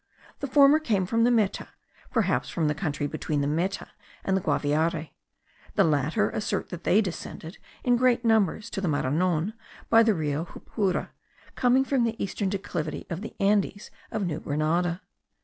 The former came from the Meta, perhaps from the country between the Meta and the Guaviare; the latter assert that they descended in great numbers to the Maranon by the Rio Jupura, coming from the eastern declivity of the Andes of New Grenada.